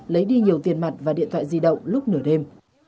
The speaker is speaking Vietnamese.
lấy đi nhiều tiền mặt và điện thoại di động lúc nửa đêm